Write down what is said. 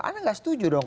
anda gak setuju dong